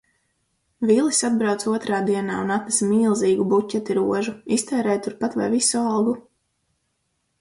Vilis atbrauca otrā dienā un atnesa milzīgu buķeti rožu, iztērēja turpat vai visu algu.